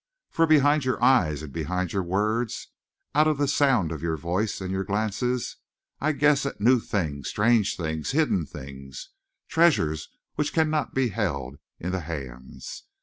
For behind your eyes and behind your words, out of the sound of your voice and your glances, I guess at new things, strange things, hidden things. Treasures which cannot be held in the hands.